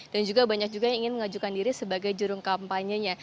dan juga banyak juga yang ingin mengajukan diri sebagai jurung kampanye nya